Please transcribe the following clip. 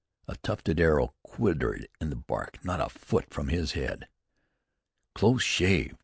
A tufted arrow quivered in the bark not a foot from his head. "Close shave!